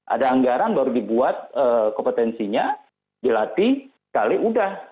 ada anggaran baru dibuat kompetensinya dilatih sekali udah